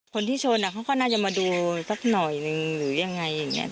คนที่ชนเขาก็น่าจะมาดูสักหน่อยนึงหรือยังไงอย่างนี้